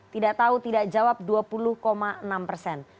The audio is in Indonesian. tidak tahu tidak jawab dua puluh enam persen